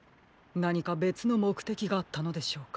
なにかべつのもくてきがあったのでしょうか？